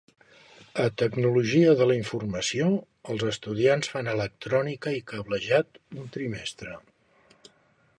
A Tecnologia de la informació, els estudiants fan electrònica i cablejat un trimestre.